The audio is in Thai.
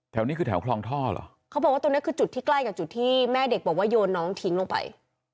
นี้คือแถวคลองท่อเหรอเขาบอกว่าตรงเนี้ยคือจุดที่ใกล้กับจุดที่แม่เด็กบอกว่าโยนน้องทิ้งลงไป